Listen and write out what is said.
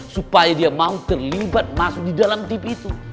supaya dia mau terlibat masuk di dalam tip itu